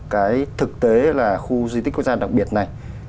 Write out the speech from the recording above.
cái thực tế là khu di tích quốc gia đặc biệt này